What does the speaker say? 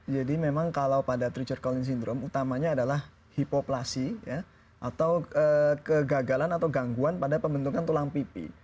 jadi memang kalau pada treacher collins syndrome utamanya adalah hipoplasi atau kegagalan atau gangguan pada pembentukan tulang pipi